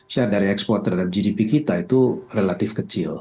share dari ekspor terhadap gdp kita itu relatif kecil